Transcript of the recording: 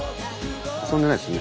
遊んでないですね。